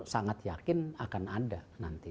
sangat yakin akan ada nanti